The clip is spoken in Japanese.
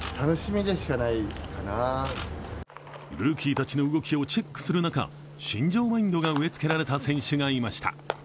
ルーキーたちの動きをチェックする中、新庄マインドが植えつけられた選手がいました。